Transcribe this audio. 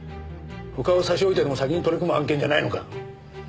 他を差し置いてでも先に取り組む案件じゃないのか？